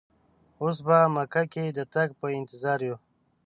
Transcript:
اوس په مکه کې د تګ په انتظار یو.